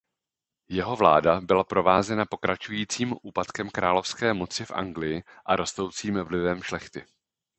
Jeho vláda byla provázena pokračujícím úpadkem královské moci v Anglii a rostoucím vlivem šlechty.